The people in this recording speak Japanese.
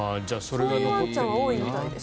そういうワンちゃん多いみたいです。